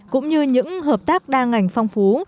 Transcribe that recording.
cũng như những hợp tác đa ngành phong phú